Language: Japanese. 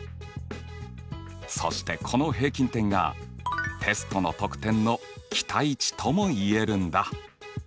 そしてこの平均点がテストの得点の期待値とも言えるんだ。